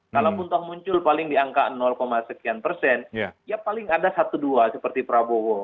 kalau pun muncul paling diangka sekian persen ya paling ada satu dua seperti prabowo